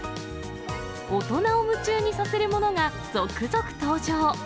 大人を夢中にさせるものが続々登場。